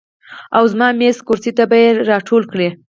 او زما میز، کرسۍ ته به ئې راټولې کړې ـ